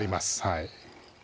はい